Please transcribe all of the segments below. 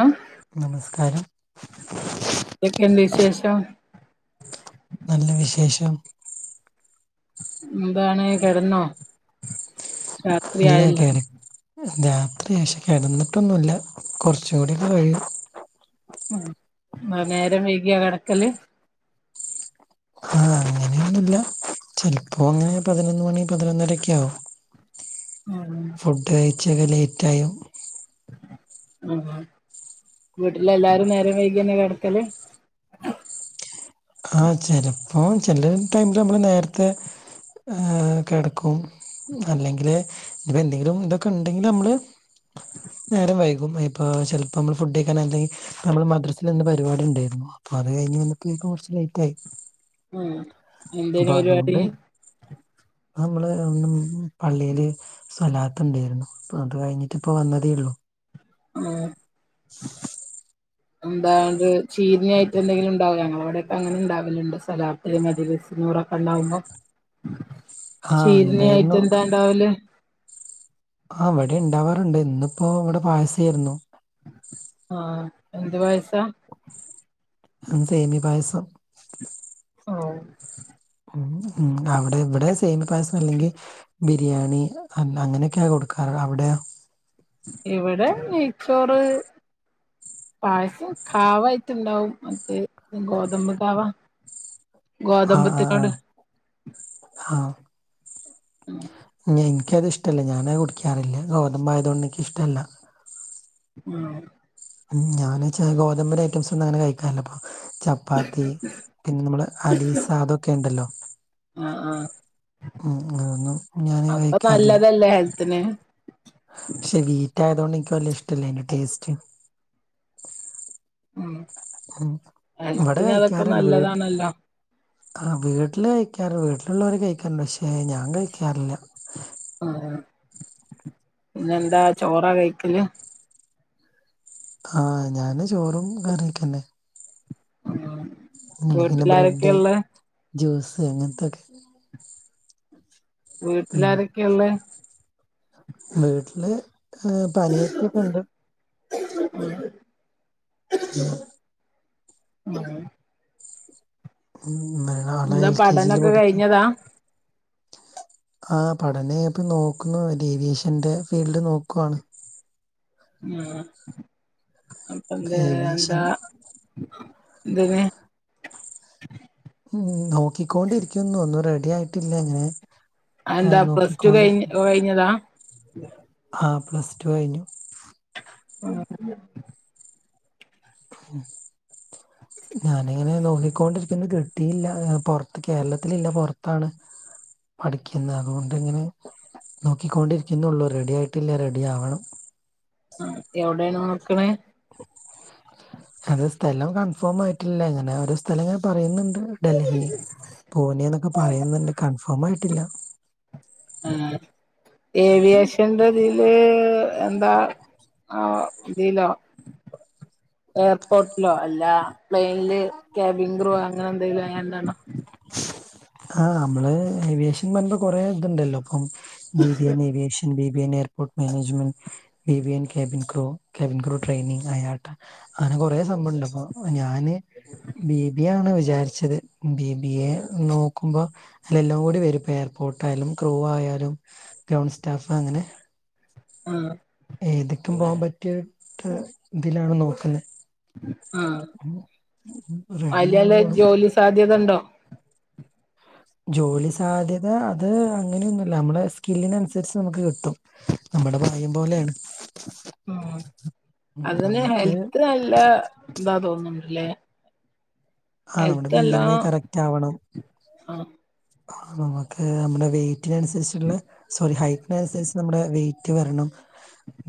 Hello നമസ്ക്കാരം എന്തകൊണ്ട് വിശേഷം നല്ല വിശേഷം എന്താണ് കെടന്നോ? ഇല്ലാ കെട രാത്രി ശേഷെ കെടന്നട്ടൊന്നുല്ലാ കുറച്ചൂടി കഴിയും. ഉം നേരം വൈകിയാ കെടക്കല്? ആഹ് അങ്ങനെയൊന്നുല്ല ചെലപ്പോ അങ്ങന പതിനൊന്ന് മണി പതിനൊന്നരൊക്കെയാവും. ഉം ഫുഡ് കഴിച്ചൊക്കെ ലേയ്റ്റായും ആഹ് വീട്ടില് എല്ലാരും നേരം വൈകിന്ന കിടക്കല്? ആഹ് ചെലപ്പോ ചെല ടൈമില് നമ്മള് നേരത്തെ കെടക്കും. അല്ലെങ്കില് ഇവിടെന്തെങ്കിലും ഇതൊക്കെ ഇണ്ടെങ്കില്മ്മള് നേരം വൈകും ഇപ്പ ചെലപ്പമ്മള് ഫുഡെയ്ക്കാനെ നമ്മള് മദ്രസില്ന്ന് പരിവാടിണ്ടാരുന്നു അത് കയിഞ്ഞ് വന്നപ്പഴേക്കും കൊറ ന്ന് ലെറ്റായി ആഹ് എന്തേനു പരിപാടി അപ്പതോണ്ട് [inaudible] നമ്മള് മ്മ് പള്ളിയില് സ്വലാത്ത് ഇണ്ടേര്ന്നു ഇപ്പോ അത് കഴിഞ്ഞിട്ടിപ്പ വന്നതേയുള്ളൂ ഏഹ്എന്താത് ചീർണിയായിട്ട് എന്തെങ്കിലുംണ്ടാവോ ഞങ്ങെളവിടെക്കെ അങ്ങനെ ഇണ്ടാവല്ണ്ട് സ്വലാത്ത് മജ്ലിസുന്നൂറൊക്കെണ്ടാവുമ്പോ ആഹ് ഉണ്ടായിരുന്നു ചീര്ണിയായിട്ടെന്താ ഇണ്ടാവല് ആഹ് ഇവടെണ്ടാവാറ്ണ്ട് ഇന്നിപ്പോ ഇവ്ടെ പായസ്യേയിര്ന്നു ആഹ് എന്ത് പായസാ ത് സേമ്യാ പായസം ഓഹോ ഉം ഉം അവടെവ്ടെ സെമ്യേ പായസല്ലെങ്കി ബിരിയാണി അല്ല അങ്ങനക്കെയ്യാ കൊടുക്കാറ് അവ്ടെയോ? ഇവ്ടെ നെയ്ച്ചോറ് പായസം കാവായിട്ട്ണ്ടാവും മറ്റേ ഗോതമ്പ് കാവാ ആഹ് ഗോതമ്പത്ത് ആഹ് നോട് ആഹ് ഉം ഇൻക്കതിഷ്ടല്ല ഞാനത് കുടിക്കാറില്ല ഗോതമ്പായതോണ്ടെക്കിഷ്ട്ടല്ല ഉം ഉം ഞാന്ച്ചാ ഗോതബിന്റഅയ്റ്റംസ് അങ്ങെനെ കയ്ക്കാറില്ലപ്പം ചപ്പാത്തി പിന്നെ നമ്മള് അലീസാ അതൊക്കേണ്ടല്ലോ ആഹ് ആഹ് ഉം ഇങ്ങനൊന്നും ഞാന് കയ്ക്കാറില്ല എല്ലേ ഹെൽത്തിന് പക്ഷെ വീറ്റായതോണ്ട് എനിക്ക് വല്ലെ ഇഷ്ടല്ല അയ്ന്റെ ടേസ്റ്റ് ഉം ഉം ഇവിടെ ഹെൽത്തിന് അതൊക്കെ കഴിക്കാറുണ്ട് വീട്ട് നല്ലെതാണല്ലോ? ആ വീട്ടില് കഴിക്കാറ് വീട്ടിലുള്ളോവര് കഴിക്കാറുണ്ട് പക്ഷെ ഞാൻ കഴിക്കാറില്ല. ആഹ് പിന്നെ എന്താ ചോറാ കഴിക്കല്. ആഹ് ഞാന് ചോറും കറിയക്കന്നേ ആഹ് അല്ലെങ്കിന്നെ ബ്രെഡ് വീട്ടിലാരൊക്കെയ്ള്ളേ? ജ്യൂസ് അങ്ങെൻത്തൊക്കെ ഉം വീട്ട്ലാരൊക്കെയ്ള്ളേ? വീട്ടില് പനിയൊക്കെക്ക്ണ്ട് [unintelligible] [unintelligible] [unintelligible] [unintelligible] ന്‌ന്താ കെ ജിയിൽ പഠനൊക്കെ കഴിഞ്ഞതാ? ആഹ് പഠനയപ്പം നോക്കുന്നു ഡിവിഷേന്റെ ഫീൽഡ് നോക്കുവാണ് ആഹ അപ്പൊ എന്ത്‌ ഏവിയേഷൻ എന്താ ന്തിന് ഉം നോക്കിക്കോണ്ടിരിക്കുന്നു ഒന്നും റെഡി ആയിട്ടില്ല അങ്ങെനെ ആന്താ പ്ലസ്ടു കഴി കഴിഞ്ഞതാ? ആഹ് പ്ലസ്ടു കഴിഞ്ഞു [unintelligible] ഞാനങ്ങനെ നോക്കിക്കോണ്ടിരിക്കുന്നത് കേ ട്ടില്ല പൊർത്ത് കേരളത്തിലില്ല പൊർത്താണ്. പഠിക്കുന്ന അതുകൊണ്ട്ങ്ങനെ നോക്കിക്കൊണ്ടിരിക്കുന്നുള്ളൂ റെഡി ആയിട്ടില്ല റെഡി ആവണം ഇജ് ഔടെണോ നോക്ണേ? അത് സ്ഥലം കൺഫേം ആയിട്ടില്ല ഇങ്ങനെ ഓരോ സ്ഥലം ങ്ങനെപറയ്ന്ന് ണ്ട് ഡൽഹി പൂനേന്നൊക്കെ പറയുന്നുണ്ട് കൺഫേം ആയിട്ടില്ല. ആഹ് ഏവിയേഷൻന്റെ തില് എന്താ ആഹ് തിലോ എയർപോർട്ടിലോ അല്ല പ്ലെയ്നില് കബിൻ ക്രൂ അങ്ങനെ എന്തെങ്കിലും ആയിങ്ങാണ്ടാണോ ആഹ് അമ്മള് ഏവിയേഷൻ പറയുമ്പോ കൊറേ ഇത്ണ്ടല്ലോ അപ്പം B B N aviation B B N airport management. B B N cabin crew cabin crew training ആയാട്ട അങ്ങനെ കൊറെ സംഭവണ്ട് അപ്പൊ ഞാന് ബി ബിയെ ആണ് വിചാരിച്ചത് ബി ബിയെ നോക്കുമ്പോ അയ്ലെല്ലവും കൂടി വരുംപ്പ എയർപോർട്ട് ആയാലും ക്രൂ ആയാലും ഗൗൺ സ്റ്റാഫ് അങ്ങനെ ആഹ് ഏതിക്കും പോകാൻ പറ്റിയ ഇതിലാണ് നോക്ക്ന്നേ ആഹ് റെഡി അയിലല്ലെ ആവുന്നുള്ളൂ ജോലി സാധ്യതണ്ടോ ജോലി സാധ്യത അത് അങ്ങനെയൊന്നുല്ല നമ്മളെ സ്കില്ലിനൻസരിച്ച് നമുക്ക് കിട്ടും. നമ്മടെ ഭാഗ്യം പോലെയാണ്. ഉം അത്ന് നമുക്ക് ഹെൽത് നല്ല ഇതാ തോന്ന്ണ്ട്ല്ലേ ആഹ് നമ്മുടെ വി എം ഐ കറക്റ്റ് ആവണം ആഹ് ആഹ് നമുക്ക് നമ്മുടെ വെയ്റ്റിനൻസരിച്ച്ള്ളെ സോറി ഹൈറ്റിനനുസരിച്ച് നമ്മുടെ വെയ് റ്റ് വരണം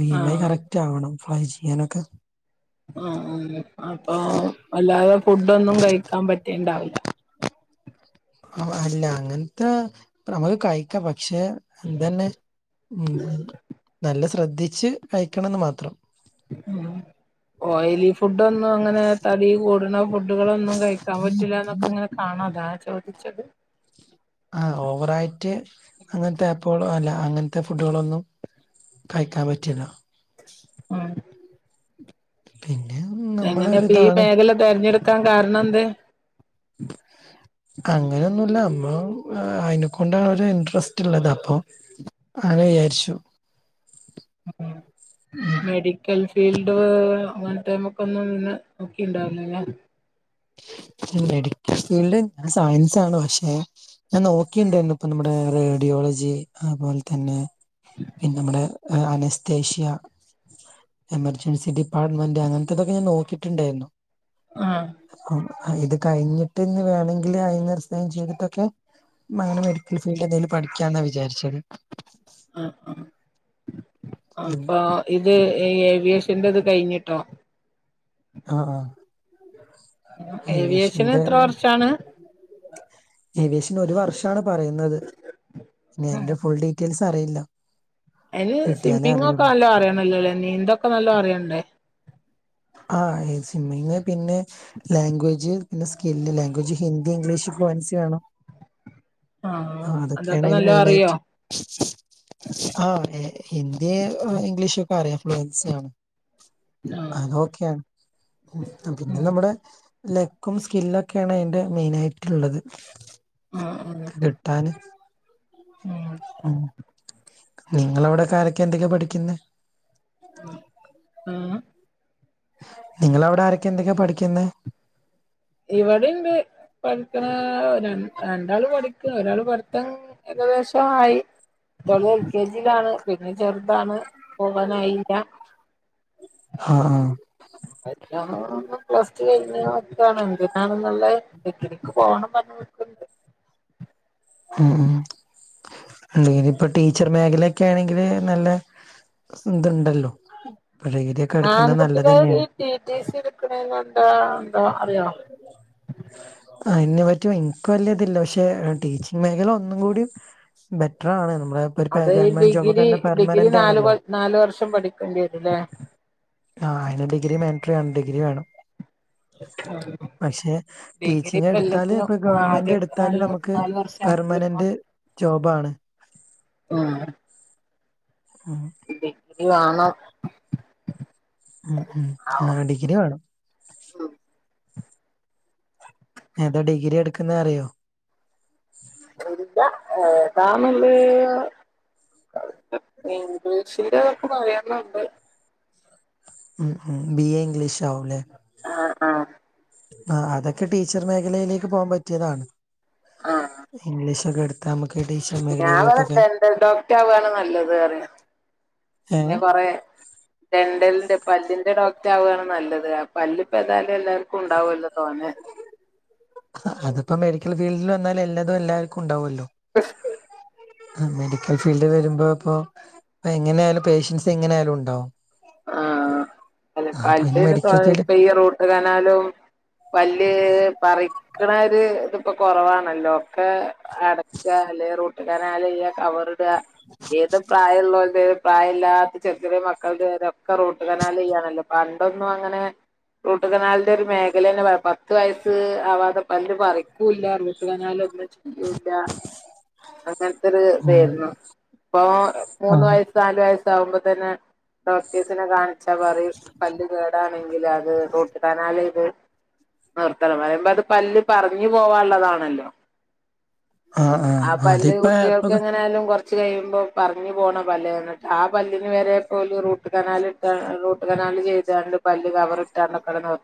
വി എം ഐ ആഹ് കറക്റ്റ് ആവണം ഫ്ലൈ ചെയ്യാനൊക്കെ ആഹ് അപ്പൊ വല്ലാതെ ഫുഡ്‌ ഒന്നും കഴിക്കാൻ പറ്റ്ണ്ടാവില്ല അവ് അല്ല അങ്ങൻത്തെ നമക്ക് കഴിക്കാം പക്ഷെ ഇന്തന്നെ നല്ല ശ്രദ്ധിച്ച് കഴിക്കണംന്ന് മാത്രം. ഉം ഓയിലി ഫുഡ്ഡൊന്നും അങ്ങനെ തടി കൂട്ണ ഫു ഡുകളൊന്നും കഴിക്കാൻ പറ്റൂല്ലാന്നൊക്കെ ഇങ്ങനെ കാണാ അതാ ചോദിച്ചത്. ആഹ് ഓവറയിറ്റ് അങ്ങൻത്തെ ആപുകളോ അല്ല അങ്ങൻത്തെ ഫുഡ്കളൊന്നും കഴ്ക്കാൻ പറ്റില്ല. ഉം. പിന്നെ എങ്ങനെപ്പീ നമ്മളൊരിതാണ് മേഖല തെരഞ്ഞെടുക്കാൻ കാരണെന്തേ അങ്ങനൊന്നുല്ല ഞമ്മളാ ആഹ് അയിനെ കൊണ്ടാണ് ഒര് ഇന്ട്രസ്റ്റ് ഇള്ളത് അപ്പൊ അങ്ങനെ വിചാരിച്ചു. ഉം ഉം മെഡിക്കൽ ഫീ ഫീൽഡ് അങ്ങൻത്തേമക്കൊന്നും ന്നെ നോക്കിണ്ടാവൂല ല്ലെ ഈ മെഡിക്കൽ ഫീൽഡ് ആഹ് സയൻസാണ് പക്ഷെ ഞാൻ നോക്കിണ്ടാര്ന്നു ഇപ്പ നമ്മുടെ റേഡിയോളജി അത്പോൽ തന്നെ പിന്നെമ്മടെ ആഹ് അനെസ്തേഷ്യ എമർജൻസി ഡിപ്പാർട്ട്മെന്റ് അങ്ങൻത്തതൊക്കെ ഞാൻ നോക്കിട്ട്ണ്ടായിരുന്നു. ആഹ്. ക്കും. ഇത് കഴിഞ്ഞിട്ട് ന്ന് വേണങ്കില് അയ്ന്ന് റിസൈൻ ചെയ്തിട്ടൊക്കെ മ് അങ്ങനെ മെഡിക്കൽ ഫീൽഡ് എന്തെങ്കിലും പഠിക്ക്യാന്നാ വിചാരിച്ചത്. അഹ് ആഹ്. അപ്പൊ ഇത് ഈ ഏവിയേഷന്റെ ഇത് കഴിഞ്ഞിട്ടോ ആഹ് ആഹ്. എങ്ങനെ ഏവിയേഷന് എത്ര വർഷാണ് ഏവിയേഷന് ഒരു വർഷ് ന്നാണ് പറയുന്നത്. ഇനി അയ്ന്റെ ഫുൾ ഡീറ്റെയിൽസ് അറിയില്ല. അയ്ന് കിട്ടിയാലേ സിമ്മിംങ്ങൊക്കെ അറിയുള്ളൂ നല്ലോ അറിയണല്ലോലേ നീന്തൊക്കെ നല്ലോ അറിയണ്ടേ? ആഹ് ഈ സിമ്മിങ് പിന്നെ ലാംഗ്വേജ് പിന്നെ skill language Hindi English fluency വേണം. ആഹ് ആ അതൊക്കെയാണ് അതൊക്കെ അതിൽ നല്ലോ മെയിൻ അറിയോ? ആയിട്ട് ആ ഹിന്ദി ഇംഗ്ലീഷൊക്കെ അറിയാം. ഫ്ലുവൻസി ആണ്. ഇല്ല അതോക്കെയാണ്. പിന്നെ നമ്മുടെ ലെക്കും സ്കില്ലൊക്കെയാണ് അയ്ന്റെ മെയിനായിട്ട്ള്ളത്. ആഹ് അതെ താന് ഉം നിങ്ങളവിടെക്കാരെക്കെ എന്തക്കെ പഠിക്കുന്നേ? ഉം ആഹ്. നിങ്ങളവിടെ ആരെക്കെ എന്തെക്കെ പഠിക്കുന്നേ? ഇവിടീണ്ട് പഠിക്ക്ണേ ര രണ്ടാള് പഠിക്ക ഒരാള് പഠിത്ത ഏകദേശം ആയി. ഇവള് എൽ കെ ജിയിലാണ്. പിന്നെ ചെർതാണ് പോവാനായില്ല. ആഹ് ആഹ്. [unintelligible] ഇപ്പൊ പ്ലസ് ടു കഴിഞ്ഞ് ഇങ്ങനെ നിക്കാണ്. എന്തിനാണെന്നുള്ള ഡിഗ്രിക്ക്‌ പോണം പറഞ്ഞ് നി ഉം ഉം. അല്ലെങ്കില് ഇപ്പൊ ടീച്ചർ മേഖലൊക്കെ ആണെങ്കില് നല്ല സ് ഇത്ണ്ടല്ലോ? ഇപ്പഡിഗ്രി ആൺകുട്ടികൾ ഈ ടി ടി സി ഇട്ക്കണേനെന്താ ഇണ്ടോ അറിയോ? അയിനെ പറ്റി ഇൻക്ക് വല്ല്യേതില്ല. പക്ഷേ ഏഹ് ടീച്ചി ഗ് മേഖല ഒന്നും കൂടി ബെറ്ററാണ് നമ്മടെ അത് ഈ ഡിഗ്രി ഡിഗ്രി നാല് ആണല്ലോ കൊൽ നാല് വർഷം പഠിക്കണ്ടി വരുംല്ലേ? ആഹ് അയ്ന് ഡിഗ്രി മാൻട്രിയാണ്. ഡിഗ്രി വേണം. [unintelligible] പക്ഷെ ഡിഗ്രി ടീച്ചിങ് ഇപ്പ എടുത്താല് ഇപ്പൊ എല്ലത്തിനും ഗവൺമെന്റ് ആദ്യം എടുത്താല് നാല് നമുക്ക് നാല് വർഷം ആക്കില്ലേ പെർമനന്റ് ജോബാണ് ആഹ് ഉം ഡിഗ്രി വാണം ഉം ഉം ആ ഡിഗ്രി വേണം ഏതാ ഡിഗ്രി എട്ക്ക്ന്നേ അറിയോ അറീല ഏതാന്ന്ള്ളെ ഇംഗ്ലീഷിറ്റെതൊക്കെ പറയുന്നുണ്ട് ഉം ഉം ബി എ ഇംഗ്ലീഷ് ആവും ല്ലേ ആഹ് ആഹ് ആഹ് അതൊക്കെ ടീച്ചർ മേഖലയിലേക്ക് പോകാൻ പറ്റിയതാണ് ആഹ് ഇംഗ്ലീഷൊക്കെ എട് ത്താമ്മക്ക് ടീച്ച ഞാൻ പറയ ഡെന്റൽ ഡോക്ടർ ആവാണ് നല്ലത് പറിം ഏ പിന്നെ കൊറേ ഡെന്റലിന്റെ പല്ലിന്റെ ഡോക്ടർ ആവാണ് നല്ലത് പല്ല് ഇപ്പൊ ഏതായാലും എല്ലാർ ക്കും ഉണ്ടാവല്ലോ തോനെ അതിപ്പോ മെഡിക്കൽ ഫീൽഡിൽ വന്നാലൽ എല്ലാതും എല്ലാവർക്കും ഉണ്ടാവുല്ലോ പഷ ആ മെഡിക്കൽ ഫീൽഡ് വരുമ്പോ ഇപ്പൊ എങ്ങന ആയാലും പേഷ്യൻസ് എങ്ങനെ ആയാലും ഉണ്ടാവും ആഹ് അ ആ അപ്പൊ അയിന് പപ്പ മെഡിക്കൽ ഫീൽഡ് ഇപ്പ ഈ റൂട്ട് കനാലും പല്ല് പറിക്കണര് ഇതിപ്പൊ കൊറവാണല്ലോ ഒക്കെ അടക്ക അല്ലേ റൂട്ട് കനാൽ ചെയ്യാ കവർ ഇട ഏത് പ്രായം ഉള്ളൊൽത് പ്രായല്ലാത്ത ചെറിയ ചെറിയ മക്കളുടെ വരെ ഒക്കെ റൂട്ട്കനാല് ചെയ്യാണല്ലോ പണ്ടൊന്നും അങ്ങനെ റൂട്ട് കനാലിന്റെ ഒരു മേഖല തന്നെ പത്ത് വയസ്സ് ആവാതെ പല്ല് പറിക്കൂല്ല റൂട്ട്കനാലൊന്ന് യ്യൂല്ല അങ്ങനത്തെ ഒരു ഉം ഇതേരുന്നു ഇപ്പൊ മൂന്ന് ആ വയസ് നാലു വയസ്സി ആകുമ്പോ തന്നെ സിനെ കാണിച്ചാ പറിയു പല്ല് കേടാണെങ്കിൽ അത് റൂട്ട്കനാലെയ്ത് നിർത്തല പറയുമ്പോ അത് പല്ല് പറഞ്ഞു പോവാനുള്ളതാണല്ലോ ആഹ് ആഹ് ആ പല്ല് അതിപ്പ ഇപ്പൊ കുട്ടികൾക്ക് എങ്ങനായാലും കൊറ ച്ച് കഴിയുമ്പോ പറഞ്ഞു പോണ പല്ല് എന്നിട്ട് ആ പല്ലിന് വരെ പോല് റൂട്ട് റൂട്ട് കനാൽ ഇട്ടാ റൂട്ട്രനാല് ചെയ്താണ്ട് പല്ല് കവർ ഇട്ടാണ്ടക്ക്ന്ന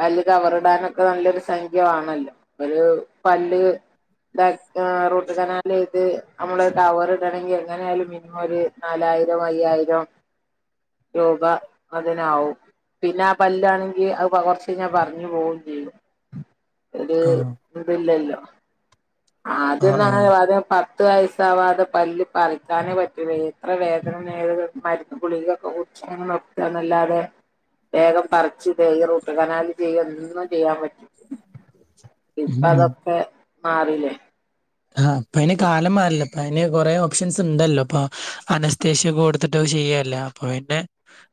പല്ല് കവറിടാനൊക്കെ നല്ലൊരു സംഖ്യ ആണല്ലോ ഒരു പല്ല് ഇ് റൂട്ട് കനൽ ചെയ്ത് നമ്മള് ടവർ ഇടണങ്കിൽ എങ്ങനൊലും മിനിമം ഒരു നാലായിരം അയ്യായിരം രൂപ അതിനാവും പിന്നെ ആ പല്ലാണെങ്കിൽ അത് കൊറച്ചയുഞ്ഞാൽ പറഞ്ഞു പോവും ചെയ്യും ഒരു ആഹ് ഇതില്ലല്ലോ ആഹ് ആദ്യന്നു ആഹ് അങ്ങനെ പത്ത് വയസ്സാവാതെ പല്ല് പറിക്കാനേ പറ്റില്ല എത്ര വേദന ഏത് മരുന്ന് ഗുളികൊക്കെ കുടിച്ച് ന്നല്ലാതെ വേഗം പറ ചിതേ റൂട്ട് കനാൽ ചെയ്യ എന്നും ചെയ്യാൻ പറ്റും ഉം ഇപ്പൊ ഉം അതൊക്കെ മാറില്ലേ ആഹ് ഇപ്പൊ അയിന് കാലം മാറില്ല അപ്പൊ അതിന് കൊറെ ഓപ്ഷൻസ് ഉണ്ടല്ലോ അപ്പൊ അനസ്തേഷ്യ കൊടുത്തിട്ടോക്കെ ചെയ്യല്ലേ അപ്പൊ പിന്നെ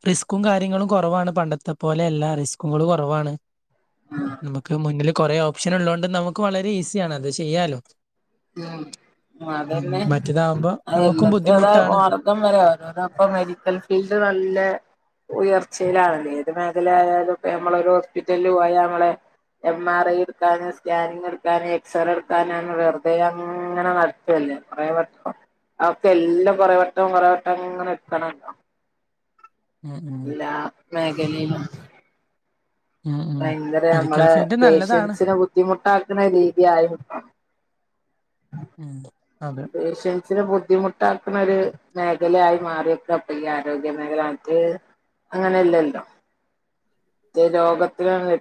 റിസ്കും കാര്യങ്ങളും കുറവാണ് പണ്ടത്തെ പോലെയല്ല റിസ്കും കാര്യങ്ങളും കുറവാണ് നമുക്ക് മുന്നില് കുറെ ഓപ്ഷൻ ഉള്ളോണ്ട് നമുക്ക് വളരെ ഈസിയാണ് അത് ചെയ്യാലോ ഉം ഉം. അതന്നെ മറ്റേതാകുമ്പോ അത നമുക്കും എല്ലാത്ത അതാ ബുദ്ധിമുട്ടാണ് ക്കം വരെ ഓരോ അപ്പൊ മെഡിക്കൽ ഫീൽഡ് നല്ലെ ഉയർച്ചയിലാണല്ലോ ഏത് മേഖലായാലും ഇപ്പോ നമ്മളീ ഒരു ഹോസ്പിറ്റലിൽ പോയാൽ നമ്മളെ എം ആർ ഐ എടുക്കാൻ സ്കാനിങ് എടുക്കാൻ എക്സ്റേ എടുക്കാനാണ് വേറ തെ അങ്ങനെ നടത്തല്ലേ കുറെ വട്ടം അതൊക്ക എല്ലാം കുറെ വട്ടം കുറെ വട്ടം ഇങ്ങനെ എക്കണല്ലൊ മ് മ് എല്ലാ മേഖലയും ഉം ഉം ഭയങ്കര മെഡിക്കൽ നമ്മള് ഫീൽഡ് നല്ലതാണ് പേഷ്യൻസിന് ബുദ്ധിമുട്ടാക്കുന്ന രീതിയായും ഉം അതെ പേഷ്യൻസിനെ ബുദ്ധിമുട്ടാക്കുണരു മേഖലയായി മാറിയൊക്കപ്പയില്ല ആരോഗ്യ മേഖലായിട്ട് അത് അങ്ങനെല്ലല്ലോ ത് രോഗത്തിന്ളേ